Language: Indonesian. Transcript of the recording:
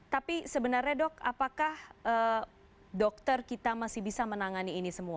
tapi sebenarnya dok apakah dokter kita masih bisa menangani ini semua